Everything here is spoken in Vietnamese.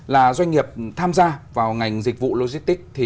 là doanh nghiệp tham gia vào ngành dịch vụ logistics